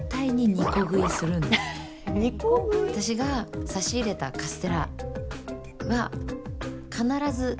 私が差し入れたカステラは必ず２個取ります。